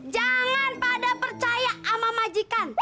jangan pada percaya sama majikan